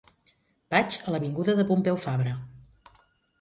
Vaig a l'avinguda de Pompeu Fabra.